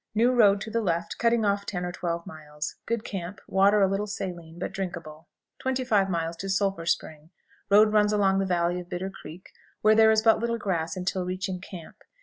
New road to the left, cutting off ten or twelve miles. Good camp; water a little saline, but drinkable. 25. Sulphur Spring. Road runs along the valley of Bitter Creek, where there is but little grass until reaching camp.